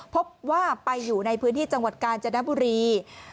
พบว่าไปอยู่ในพื้นที่จังหวัดกาญจนบุรี